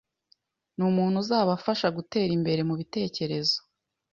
n’umuntu uzabafasha gutera imbere mubitekerezo,